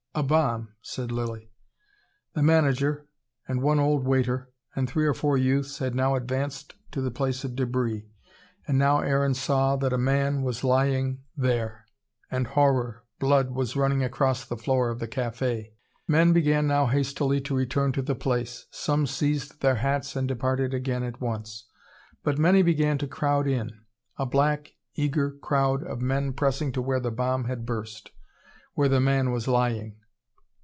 "A bomb," said Lilly. The manager, and one old waiter, and three or four youths had now advanced to the place of debris. And now Aaron saw that a man was lying there and horror, blood was running across the floor of the cafe. Men began now hastily to return to the place. Some seized their hats and departed again at once. But many began to crowd in a black eager crowd of men pressing to where the bomb had burst where the man was lying.